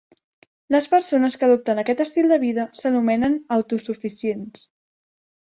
Les persones que adopten aquest estil de vida s'anomenen "autosuficients".